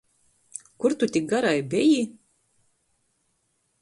Kur tu tik garai beji?